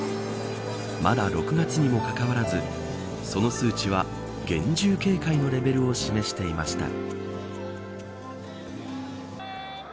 まだ６月にもかかわらずその数値は厳重警戒のレベルを示していました。